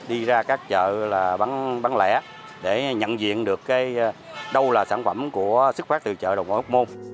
đi ra các chợ bán lẻ để nhận diện được đâu là sản phẩm của sức phát từ chợ đồ mối hốc môn